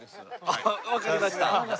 あっわかりました。